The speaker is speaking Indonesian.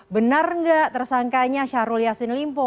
benar nggak tersangkanya syahrul yassin limpo